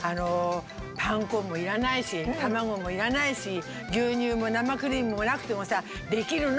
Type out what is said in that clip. パン粉もいらないし卵もいらないし牛乳もなまクリームもなくてもさできるの！